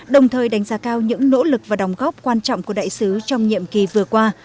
đồng thời đánh giá cao những nỗ lực và đóng góp quan trọng của đại sứ trong nhiệm kỳ vừa qua